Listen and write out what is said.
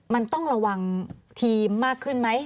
มันต้องระวังทีมมากขึ้นไหม